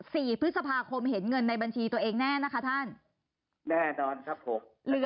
สี่พฤษภาคมเห็นเงินในบัญชีตัวเองแน่นะคะท่านแน่นอนครับผมเหลือ